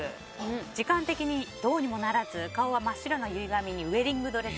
時間的にどうにもならず顔は真っ白な日本髪でウエディングドレス。